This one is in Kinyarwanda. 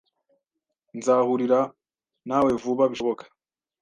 Nzahurira nawe vuba bishoboka.